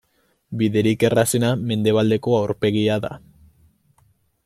Biderik errazena, mendebaldeko aurpegia da.